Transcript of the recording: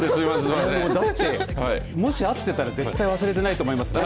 もし会っていたら絶対忘れてないと思います。